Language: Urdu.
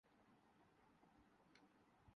ہمیں دوپہر کے کھانےنکے پیسے نقد دینا پڑتے ہیں